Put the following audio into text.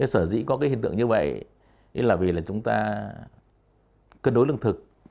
sở dĩ có cái hình tượng như vậy là vì là chúng ta cân đối lương thực